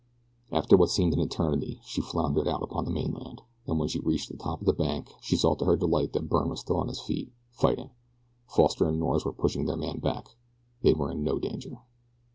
After what seemed an eternity she floundered out upon the mainland, and when she reached the top of the bank she saw to her delight that Byrne was still on his feet, fighting. Foster and Norris were pushing their man back they were in no danger.